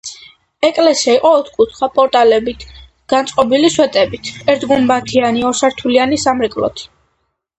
ეკლესია იყო ოთკუთხა, პორტალებით, გაწყობილი სვეტებით, ერთგუმბათიანი, ორსართულიანი სამრეკლოთი.